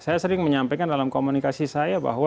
saya sering menyampaikan dalam komunikasi saya bahwa